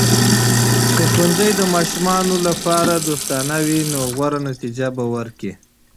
که ښوونځي د ماشومانو لپاره دوستانه وي، نو غوره نتیجه به ورکړي.